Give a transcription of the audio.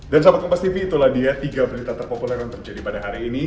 dan sobat kompastv itulah dia tiga berita terpopuler yang terjadi pada hari ini